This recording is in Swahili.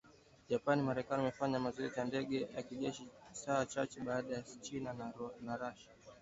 Japan na Marekani wamefanya mazoezi ya ndege za kijeshi saa chache baada ya China na Russia